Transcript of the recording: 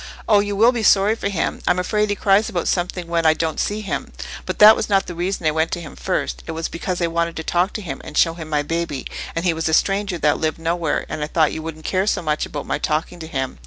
"Oh, you will be sorry for him: I'm afraid he cries about something when I don't see him. But that was not the reason I went to him first; it was because I wanted to talk to him and show him my baby, and he was a stranger that lived nowhere, and I thought you wouldn't care so much about my talking to him.